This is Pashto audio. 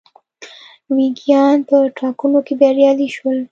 ویګیان په ټاکنو کې بریالي شول.